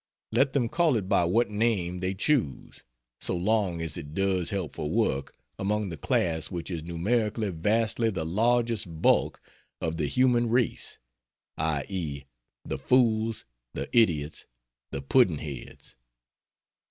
Let them call it by what name they choose, so long as it does helpful work among the class which is numerically vastly the largest bulk of the human race, i.e. the fools, the idiots, the pudd'nheads.